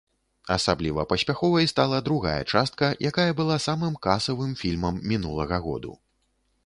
Асабліва паспяховай стала другая частка, якая была самым касавым фільмам мінулага году.